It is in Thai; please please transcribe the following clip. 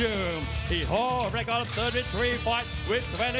รัฐบราชิน